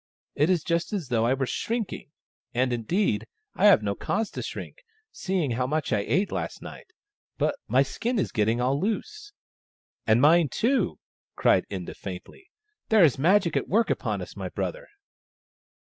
" It is just as though I were shrinking — and indeed, I have no cause to shrink, seeing how much I ate last night. But my skin is getting all loose." " And mine too !" cried Inda, faintly. " There is Magic at work upon us, my brother